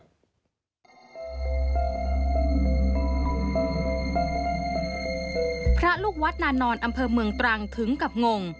พระลูกวัดนานอนอำเภอเมืองตรังถึงกับงง